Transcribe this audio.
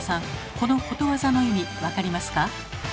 このことわざの意味分かりますか？